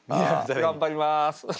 頑張ります！